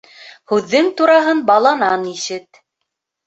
Һүҙҙең тураһын баланан ишет.